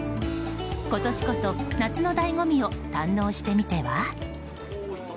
今年こそ夏のだいご味を堪能してみては？